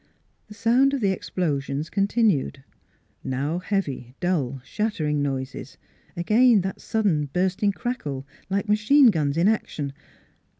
The sound of the ex plosions continued: now heavy, dull, shattering noises; again that sudden bursting crackle like machine guns in action.